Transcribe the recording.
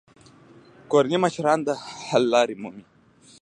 کورني مشران د حل لارې مومي.